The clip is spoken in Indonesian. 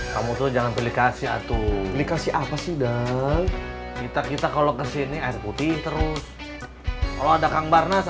sampai jumpa di video selanjutnya